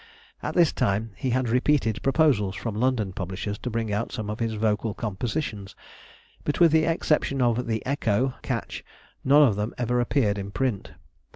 At this time he had repeated proposals from London publishers to bring out some of his vocal compositions, but with the exception of "The Echo" catch, none of them ever appeared in print.